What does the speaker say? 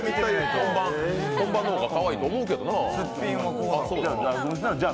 本番の方がかわいいと思うけどなあ。